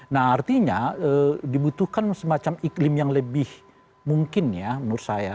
nah artinya dibutuhkan semacam iklim yang lebih mungkin ya menurut saya